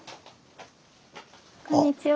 こんにちは。